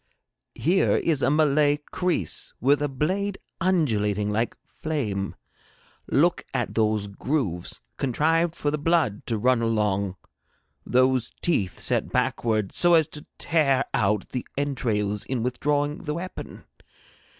Here is a Malay kreese with a blade undulating like flame. Look at those grooves contrived for the blood to run along, those teeth set backward so as to tear out the entrails in withdrawing the weapon.